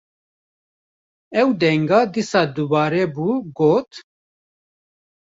ew denga dîsa dubare bû, got: